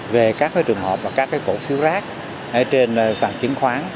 về các cái trường hợp và các cái cổ phiếu rác ở trên sàn chứng khoán